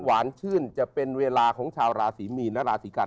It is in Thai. หวานชื่นจะเป็นเวลาของชาวราศีมีนและราศีกัน